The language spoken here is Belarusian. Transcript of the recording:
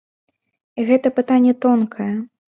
І гэта пытанне тонкае.